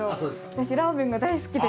私ラーメンが大好きで。